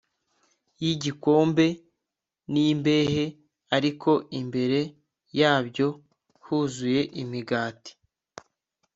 Y Igikombe N Imbehe Ariko Imbere Yabyo Huzuye imigati